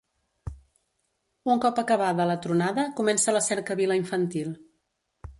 Un cop acabada la tronada comença la cercavila infantil.